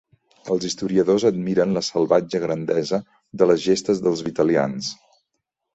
Els historiadors admiren la salvatge grandesa de les gestes dels vitalians.